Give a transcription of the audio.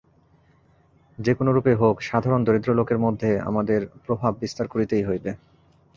যে কোনরূপেই হউক, সাধারণ দরিদ্রলোকের মধ্যে আমাদের প্রভাব বিস্তার করিতেই হইবে।